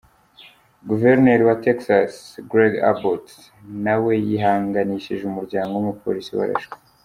Guverineri wa Texas, Greg Abbott, na we yihanganishije umuryango w’umupolisi warashwe.